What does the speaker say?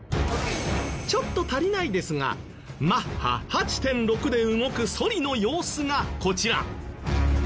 ちょっと足りないですがマッハ８．６で動くソリの様子がこちら。